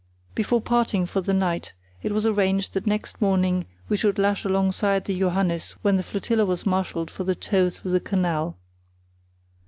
Before parting for the night it was arranged that next morning we should lash alongside the Johannes when the flotilla was marshalled for the tow through the canal.